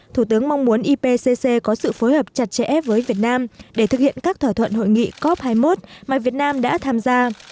thủ tướng mong muốn ipcc có sự phối hợp chặt chẽ với việt nam để thực hiện các thỏa thuận hội nghị cop hai mươi một mà việt nam đã tham gia